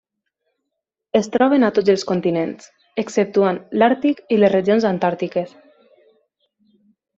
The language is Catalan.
Es troben a tots els continents, exceptuant l'Àrtic i les regions Antàrtiques.